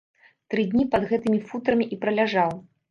Тры дні пад гэтымі футрамі і праляжаў.